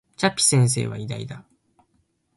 チャピ先生は偉大だ